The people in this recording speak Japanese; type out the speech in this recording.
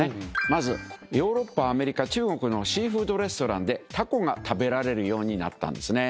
まずヨーロッパアメリカ中国のシーフードレストランでタコが食べられるようになったんですね。